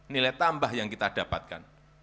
nilai tambah yang kita dapatkan